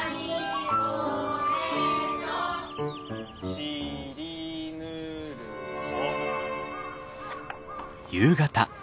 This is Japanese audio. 「ちりぬるを」。